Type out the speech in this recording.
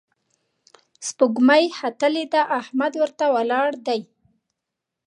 سپوږمۍ ختلې ده، احمد ورته ولياړ دی